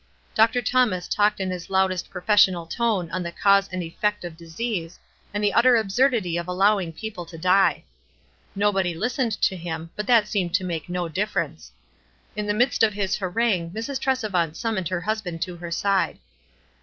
Dr. Thomas talked in his loud est professional tone on the cause and effect of disease, and the utter absurdity of allowing people to die. Nobody listened to him, but that seemed to make no difference. In the midst of his harangue Mrs. Tresevant summoned her husband to her side.